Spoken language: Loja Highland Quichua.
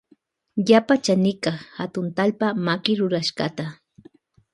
Yapa chanikan hatun talpa makirurashkata.